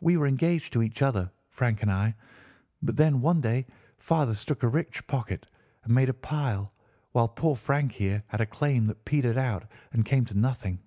We were engaged to each other, Frank and I; but then one day father struck a rich pocket and made a pile, while poor Frank here had a claim that petered out and came to nothing.